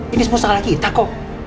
ini semua salah kita kok